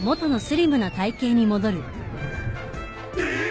えっ！？